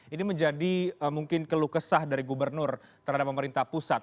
ini menjadi mungkin keluh kesah dari gubernur terhadap pemerintah pusat